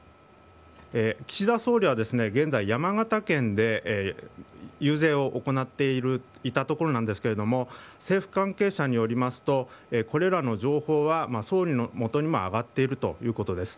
岸田総理は、現在山形県で遊説を行っていたところなんですけれども政府関係者によりますとこれらの情報は総理のもとにも挙がっているということです。